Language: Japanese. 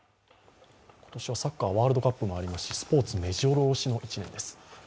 今年サッカ・ーワールドカップもありますし、スポーツ、めじろ押しの１年です。